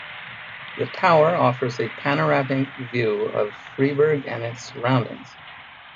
The tower offers a panoramic view of Freiburg and its surroundings.